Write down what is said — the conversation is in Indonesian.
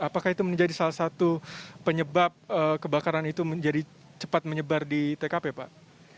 apakah itu menjadi salah satu penyebab kebakaran itu menjadi cepat menyebar di tkp pak